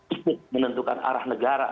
ikut menentukan arah negara